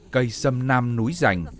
cây sâm nam núi rành